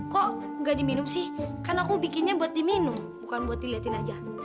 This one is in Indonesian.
kok nggak diminum sih kan aku bikinnya buat diminum bukan buat dilihatin aja